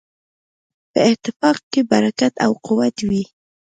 په اتفاق کې برکت او قوت وي.